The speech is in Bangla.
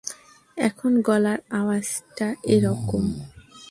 এখন গলার আওয়াজটা এরকম।